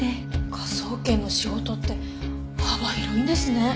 科捜研の仕事って幅広いんですね。